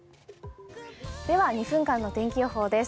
２分間の天気予報です。